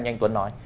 như anh tuấn nói